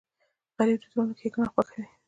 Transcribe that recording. غریب د زړونو ښیګڼه خوښوي